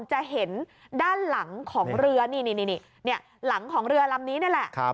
จะเห็นด้านหลังของเรือนี่หลังของเรือลำนี้นี่แหละ